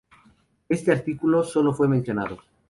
Este artículo sólo fue mencionado.